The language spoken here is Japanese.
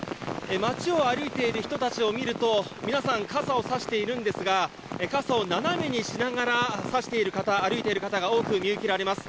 街を歩いている人たちを見ると皆さん、傘をさしていますが傘を斜めにしながらさしている方、歩いている方が多く見受けられます。